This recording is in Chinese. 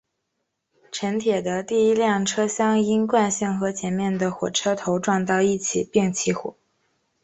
城铁的第一辆车厢因惯性和前面的火车头撞到一起并起火。